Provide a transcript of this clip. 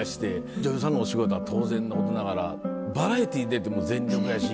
女優さんのお仕事は当然のことながらバラエティー出ても全力やし。